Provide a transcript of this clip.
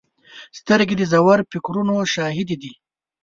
سترګې د ژور فکرونو شاهدې دي